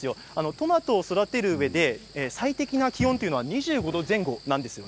トマトを育てるうえで最適な気温というのが２５度前後なんです。